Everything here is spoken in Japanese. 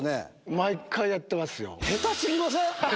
毎回やってますよ。